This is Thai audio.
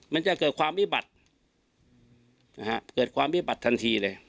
มันจะเกิดความวิบัตินะฮะเกิดความวิบัติทันทีเลย